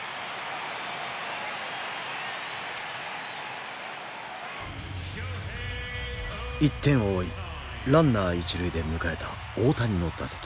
１点を追いランナー一塁で迎えた大谷の打席。